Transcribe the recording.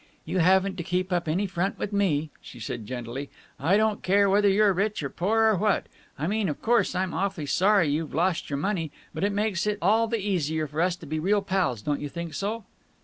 "You haven't to keep up any front with me," she said gently. "I don't care whether you're rich or poor or what. I mean, of course I'm awfully sorry you've lost your money, but it makes it all the easier for us to be real pals, don't you think so?"